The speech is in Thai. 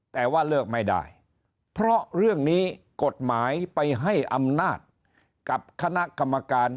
แต่ว่าเลิกไม่ได้เพราะเรื่องนี้กฎหมายไปให้อำนาจกับคณะกรรมการ